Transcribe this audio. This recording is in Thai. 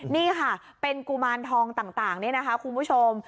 นี่ค่ะเป็นกุมารทองต่างนี่นะคะคุณผู้ชม